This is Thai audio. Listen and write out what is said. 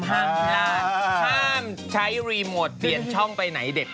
ห้ามใช้รีโมทเปลี่ยนช่องไปไหนเด็กค่ะ